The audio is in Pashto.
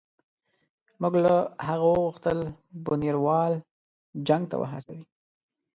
موږ له هغه وغوښتل بونیروال جنګ ته وهڅوي.